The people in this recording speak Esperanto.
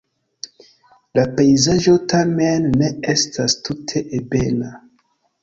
La pejzaĝo tamen ne estas tute ebena.